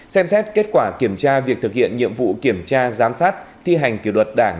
xem xét kết quả kiểm tra việc thực hiện nhiệm vụ kiểm tra giám sát thi hành kỷ luật đảng